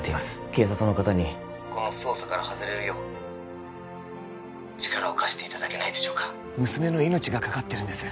警察の方にこの捜査から外れるよう力を貸していただけないでしょうか娘の命がかかってるんです